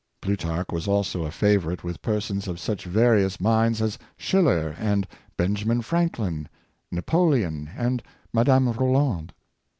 Plutarch was also a favorite with persons of such various minds as Schiller and Benjamin Franklin, Napoleon and Madam Roland.